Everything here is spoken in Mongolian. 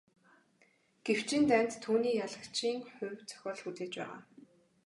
Гэвч энэ дайнд түүнийг ялагдагчийн хувь зохиол хүлээж байгаа.